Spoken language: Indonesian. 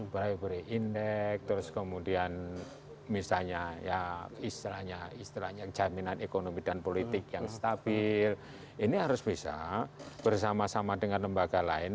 bribery index terus kemudian misalnya ya istilahnya istilahnya jaminan ekonomi dan politik yang stabil ini harus bisa bersama sama dengan lembaga lain